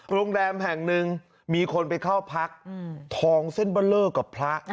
โรงแรมแห่งหนึ่งมีคนไปเข้าพักทองเส้นเบอร์เลอร์กับพระ